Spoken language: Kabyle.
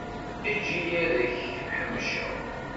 Eǧǧ-iyi ad k-ḥemceɣ.